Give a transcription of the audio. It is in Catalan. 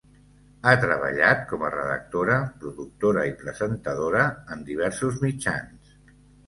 Ha treballat com a redactora, productora i presentadora en diversos mitjans.